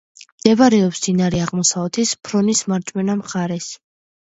მდებარეობს მდინარე აღმოსავლეთის ფრონის მარჯვენა მხარეს.